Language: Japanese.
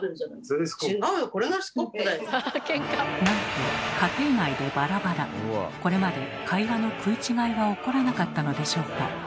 なんとこれまで会話の食い違いは起こらなかったのでしょうか？